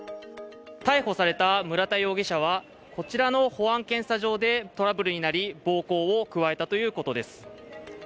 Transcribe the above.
逮捕された村田容疑者は、こちらの保安検査場でトラブルになり暴行を加えたということです。